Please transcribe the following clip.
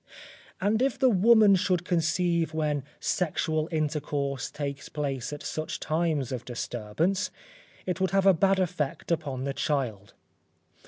And if the woman should conceive when sexual intercourse takes place at such times of disturbance, it would have a bad effect upon the child.